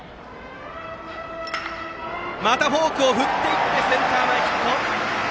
またフォークを振ってセンター前ヒット。